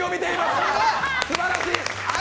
すばらしい！